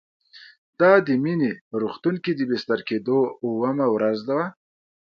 دا د مينې په روغتون کې د بستر کېدو اوومه ورځ وه